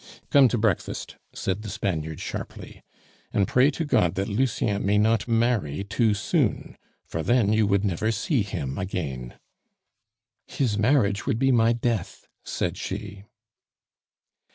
"Come to breakfast," said the Spaniard sharply. "And pray to God that Lucien may not marry too soon, for then you would never see him again." "His marriage would be my death," said she.